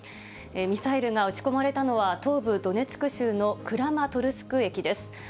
ミサイルが撃ち込まれたのは、東部ドネツク州のクラマトルスク駅です。